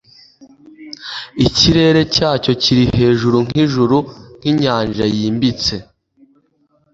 ikirere cyacyo kiri hejuru nk'ijuru, nk'inyanja yimbitse